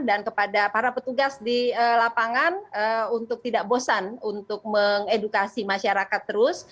dan kepada para petugas di lapangan untuk tidak bosan untuk mengedukasi masyarakat terus